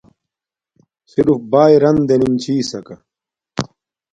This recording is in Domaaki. صرف بݳئݺ رَن دݵنِم چھݵسَکݳ.